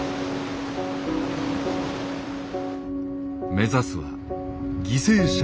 目指すは“犠牲者ゼロ”。